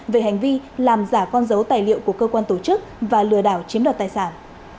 về hành vi làm giả con dấu tài liệu của cơ quan tổ chức và lừa đảo chiếm đoạt tài sản